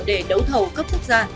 để đấu thầu cấp thuốc ra